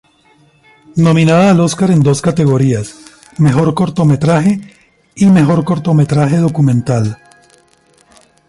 Nominada al Oscar en dos categorías, mejor cortometraje y mejor cortometraje documental.